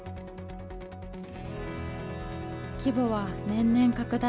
規模は年々拡大。